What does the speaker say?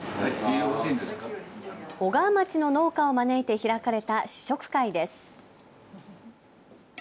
小川町の農家を招いて開かれた試食会です。